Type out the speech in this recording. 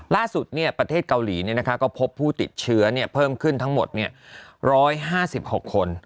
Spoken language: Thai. ล่าสุดประเทศเกาหลีก็พบผู้ติดเชื้อเพิ่มขึ้นทั้งหมด๑๕๖คน